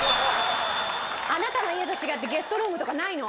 あなたの家と違ってゲストルームとかないの！